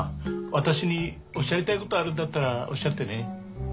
私におっしゃりたいことあるんだったらおっしゃってね。